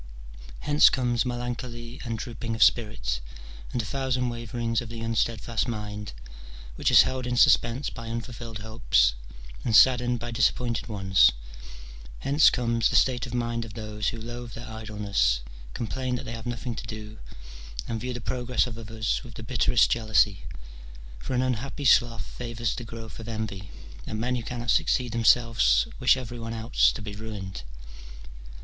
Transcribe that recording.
Hence comes melancholy and drooping of spirit, and a thousand waverings of the unsteadfast mind, which is held in suspense by unfulfilled hopes, and saddened by disap pointed ones : hence comes the state of mind of those who loathe their idleness, complain that they have nothing to do, and view the progress of others with the bitterest jealousy : for an unhappy sloth favours the growth of envy, and men who cannot succeed themselves wish every one else to be ruined.